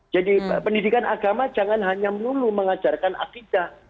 jadi pendidikan agama jangan hanya menuluh mengajarkan akhidat